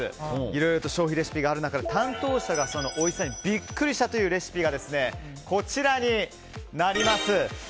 いろいろと消費レシピがある中で担当者がそのおいしさにビックリしたというレシピがこちらになります。